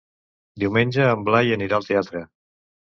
Diumenge en Blai anirà al teatre.